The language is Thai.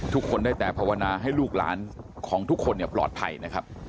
ทุกคนได้แต่ภาวนาให้ลูกหลานของทุกคนปลอดภัยนะครับ